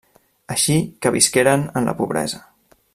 Així que visqueren en la pobresa.